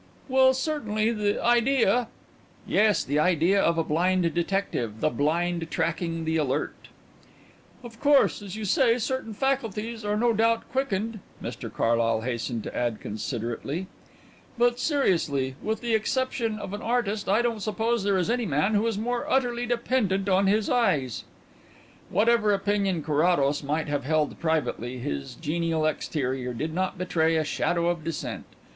"Well, certainly, the idea " "Yes, the idea of a blind detective the blind tracking the alert " "Of course, as you say, certain faculties are no doubt quickened," Mr Carlyle hastened to add considerately, "but, seriously, with the exception of an artist, I don't suppose there is any man who is more utterly dependent on his eyes." Whatever opinion Carrados might have held privately, his genial exterior did not betray a shadow of dissent.